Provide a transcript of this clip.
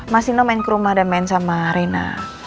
mas nino main ke rumah dan main sama reina